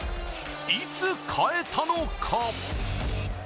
いつ変えたのか？